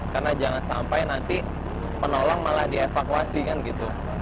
karena jangan sampai nanti penolong malah dievakuasi kan gitu